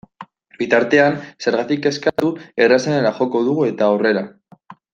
Bitartean, zergatik kezkatu, errazenera joko dugu eta aurrera!